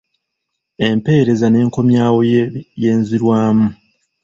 Empeereza n’enkomyawo y’enzirwamu